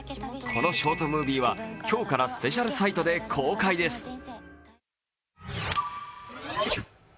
このショートムービーは今日からスペシャルサイトで公開です。